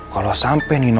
kalau sampai nino